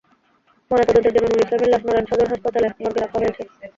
ময়নাতদন্তের জন্য নূর ইসলামের লাশ নড়াইল সদর হাসপাতালের মর্গে রাখা হয়েছে।